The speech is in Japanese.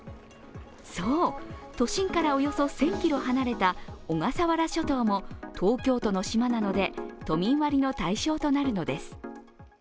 そう、都心からおよそ１０００ｋｍ離れた小笠原諸島も、東京都の島なので都民割の対象となるのです。